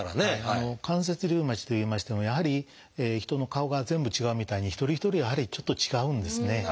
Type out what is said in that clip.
関節リウマチといいましてもやはり人の顔が全部違うみたいに一人一人やはりちょっと違うんですね。